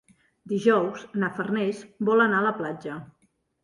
Dijous na Farners vol anar a la platja.